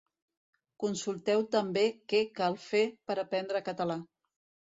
Consulteu també què cal fer per aprendre català.